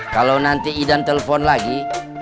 kalau nanti idan telpon lagi